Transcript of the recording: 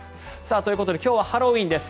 ということで今日はハロウィーンです。